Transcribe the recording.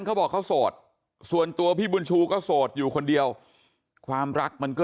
เขาบอกเขาโสดส่วนตัวพี่บุญชูก็โสดอยู่คนเดียวความรักมันก็